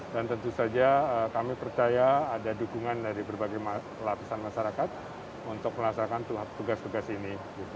dan tentu saja kami percaya ada dukungan dari berbagai lapisan masyarakat untuk melaksanakan tugas tugas ini